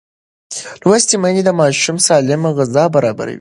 لوستې میندې د ماشوم سالمه غذا برابروي.